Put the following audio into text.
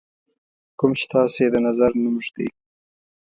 کوم چې تاسو یې د نظر نوم ږدئ.